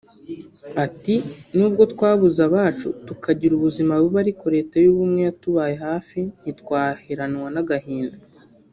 Ati« Nubwo twabuze abacu tukagira ubuzima bubi ariko Leta y’ubumwe yatubaye hafi ntitwaheranwa n’agahinda